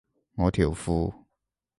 我條褲